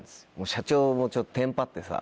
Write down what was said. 社長もちょっとテンパってさ。